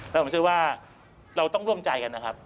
แล้วผมเชื่อว่าเราต้องร่วมใจกันนะครับ